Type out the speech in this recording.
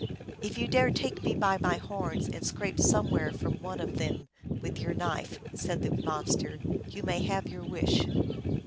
" If you dare take me by my horns and scrape somewhat from one of them with your knife," said the monster, " you may have your wish."